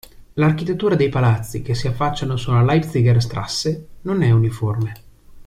L'architettura dei palazzi che si affacciano sulla Leipziger Straße non è uniforme.